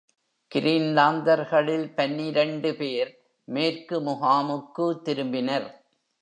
கிரீன்லாந்தர்களில் பனிரெண்டு பேர் மேற்கு முகாமுக்கு திரும்பினர்.